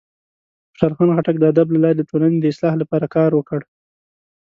خوشحال خان خټک د ادب له لارې د ټولنې د اصلاح لپاره کار وکړ.